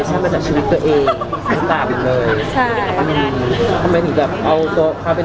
ส้อมสตาร์จอย่างเงิน